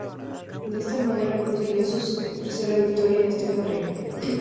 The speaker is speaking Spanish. De esta manera, conseguía su tercera victoria en esta carrera.